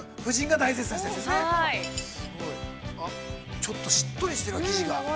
ちょっとしっとりしている、生地が。